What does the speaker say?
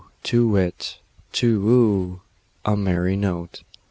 To whit, Tu whoo! A merry note!